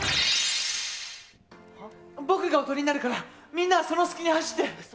僕がおとりになるからみんなはその隙に走って！